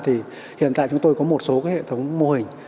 thì hiện tại chúng tôi có một số cái hệ thống mô hình